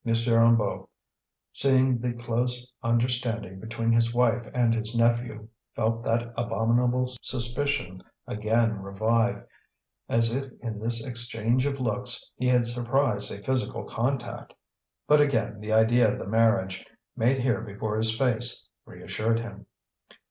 Hennebeau, seeing the close understanding between his wife and his nephew, felt that abominable suspicion again revive, as if in this exchange of looks he had surprised a physical contact. But again the idea of the marriage, made here before his face, reassured him.